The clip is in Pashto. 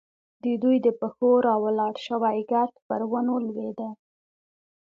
د دوی د پښو راولاړ شوی ګرد پر ونو لوېده.